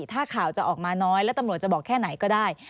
ถ้าข่าวจะออกมาน้อยแล้วตำรวจจะบอกแค่ไหนก็ได้